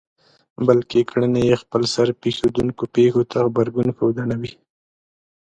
بلکې کړنې يې خپلسر پېښېدونکو پېښو ته غبرګون ښودنه وي.